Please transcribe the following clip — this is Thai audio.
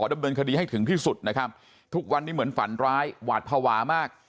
ดำเนินคดีให้ถึงที่สุดนะครับทุกวันนี้เหมือนฝันร้ายหวาดภาวะมาก